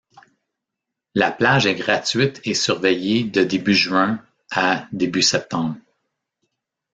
La plage est gratuite et surveillée de début juin à début septembre.